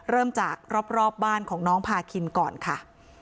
เริ่มจากรอบบ้านของน้องพาคินก่อนค่ะ